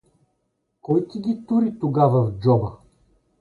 — Кой ти ги тури тогава в джоба?